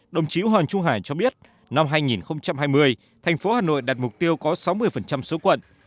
đồng chí hoàng trung hải cho biết năm hai nghìn hai mươi thành phố hà nội đặt mục tiêu có sáu mươi số quận